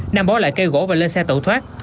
nam bỏ lại cây gỗ và lên xe tẩu thoát